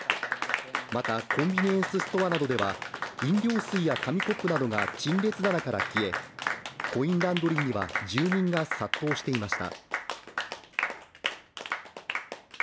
また、コンビニエンスストアなどでは飲料水や紙コップなどが陳列棚から消え、コインランドリーには住民が殺到していました。